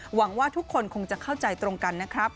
หวังว่าทุกคนคงจะเข้าใจตรงกันนะครับ